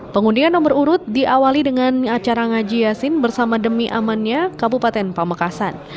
pengundian nomor urut diawali dengan acara ngaji yasin bersama demi amannya kabupaten pamekasan